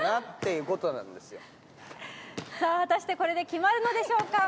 さあ果たしてこれで決まるのでしょうか？